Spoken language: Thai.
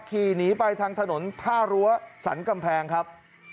ขี่หนีไปทางถนนท่ารั้วสรรกำแพงครับ